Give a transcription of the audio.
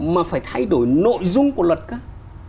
mà phải thay đổi nội dung của luật